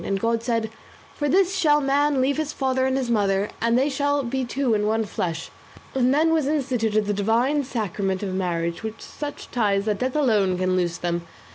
And God said 'For this shall a man leave his father and his mother, and they shall be two in one flesh; and then was instituted the divine sacrament of marriage, with such ties that death alone can loose them.